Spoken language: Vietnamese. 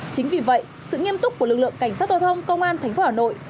chính vì vậy sự nghiêm túc của lực lượng cảnh sát giao thông công an thánh phố hà nội